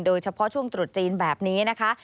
โดยเฉพาะช่วงตรุษจีนแบบนี้นะคะ